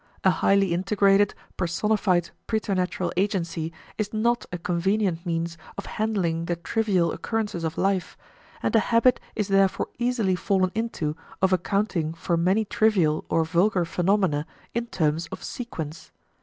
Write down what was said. A highly integrated, personified preternatural agency is not a convenient means of handling the trivial occurrences of life, and a habit is therefore easily fallen into of accounting for many trivial or vulgar phenomena in terms of sequence.